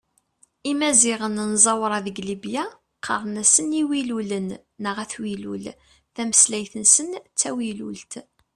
Imaziɣen n Zwaṛa deg Libya qqaren-asen Iwilulen neɣ At Wilul, tameslayt-nsen d tawilult.